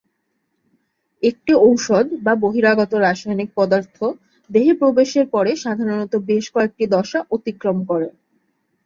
একটি ঔষধ বা বহিরাগত রাসায়নিক পদার্থ দেহে প্রবেশের পরে সাধারণত বেশ কয়েকটি দশা অতিক্রম করে।